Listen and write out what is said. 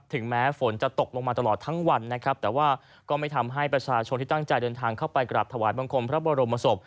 แม้ฝนจะตกลงมาตลอดทั้งวันนะครับแต่ว่าก็ไม่ทำให้ประชาชนที่ตั้งใจเดินทางเข้าไปกราบถวายบังคมพระบรมศพ